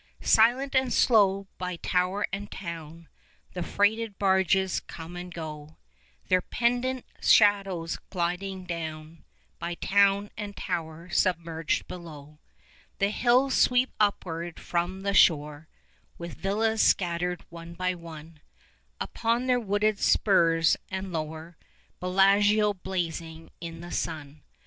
20 Silent and slow, by tower and town The freighted barges come and go, Their pendent shadows gliding down By town and tower submerged below. The hills sweep upward from the shore, 25 With villas scattered one by one Upon their wooded spurs, and lower Bellagio blazing in the sun.